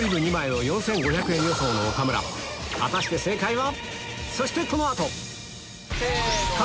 果たして正解は？